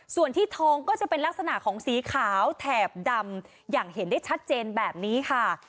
ส่วนที่ทองก็จะเป็นลักษณะของสีขาวแถบดำอย่างเห็นได้ชัดเจนแบบนี้ค่ะ